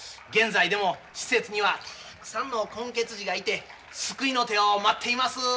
現在でも施設にはたくさんの混血児がいて救いの手を待っています